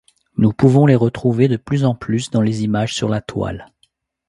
Nous pouvons les retrouver de plus en plus dans les images sur la toile.